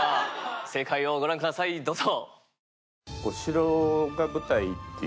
正解をご覧くださいどうぞ。